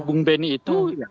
bung benny itu